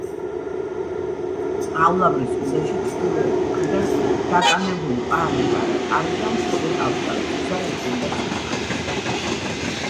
ავლაბრის ზღუდეში ჩრდილოეთ მხრიდან დატანებული „პატარა კარიდან“ მხოლოდ „ავჭალის გზა“ იღებდა სათავეს.